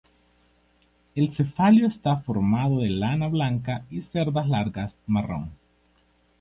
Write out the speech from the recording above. El cefalio está formado de lana blanca y cerdas largas marrón.